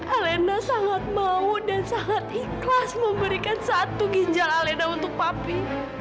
elena sangat mau dan sangat ikhlas memberikan satu ginjel elena untuk papi